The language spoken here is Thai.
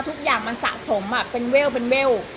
ทุกอย่างมันสะสมอ่ะเป็นเว่วเป็นเว่ว